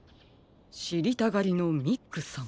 しりたがりのミックさん。